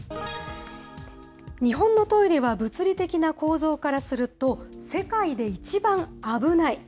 日本のトイレは、物理的な構造からすると、世界で一番危ない。